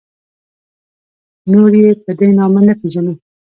نور یې په دې نامه نه پېژنو.